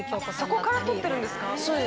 そこから取ってるんですか？